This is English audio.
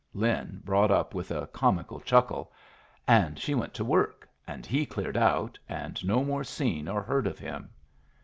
Lin brought up with a comical chuckle. "And she went to work, and he cleared out, and no more seen or heard of him.